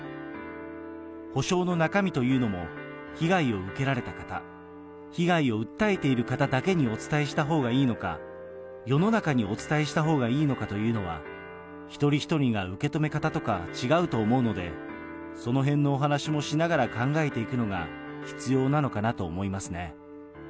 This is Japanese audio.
補償の中身というのも、被害を受けられた方、被害を訴えている方だけにお伝えしたほうがいいのか、世の中にお伝えしたほうがいいのかというのは、一人一人が受け止め方とか違うと思うので、そのへんのお話もしながら考えていくのが必要なのかなと思いますね。